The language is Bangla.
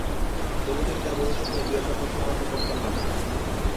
তবু তিনি তাঁর ভবিষ্যৎ নিয়ে দু-একটা প্রশ্ন আমাকে করতেন মাঝে মাঝে।